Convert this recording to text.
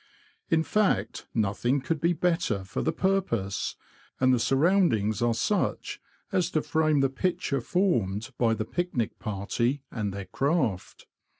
In fact, nothing could be better for the purpose, and the surroundings are such as to frame the picture formed by the picnic party and their craft.